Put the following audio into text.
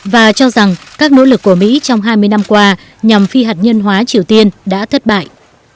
và cho rằng các nỗ lực của mỹ trong hai mươi năm qua nhằm phi hạt nhân hóa triều tiên đã thất bại